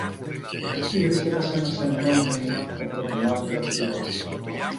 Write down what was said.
Εκεί βρίσκεται, σ' ένα σεμνό μνήμα, ο πρωτομάρτυρας ήρωας